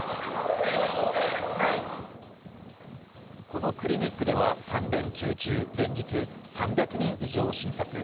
このクリニックでは３連休中連日３００人以上を診察。